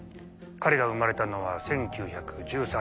彼が生まれたのは１９１３年。